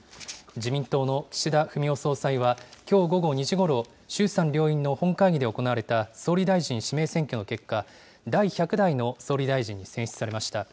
自民党の岸田文雄総裁は、きょう午後２時ごろ、衆参両院の本会議で行われた総理大臣指名選挙の結果、第１００代の総理大臣に選出されました。